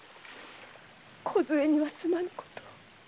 こずえにはすまぬことを！